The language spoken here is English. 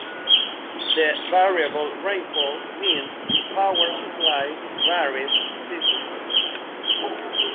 The variable rainfall means the power supply varies seasonally.